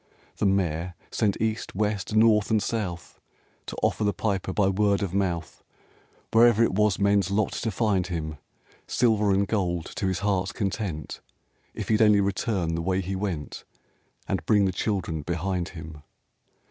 The Mayor sent East, West, North and South, To offer the Piper, by word of mouth, Wherever it was men's lot to find him, Silver and gold to his heart's content, If he'd only return the way he went, And bring the children behind him.